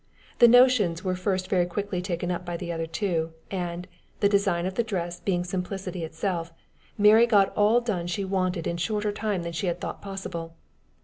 The notions of the first were quickly taken up by the other two, and, the design of the dress being simplicity itself, Mary got all done she wanted in shorter time than she had thought possible.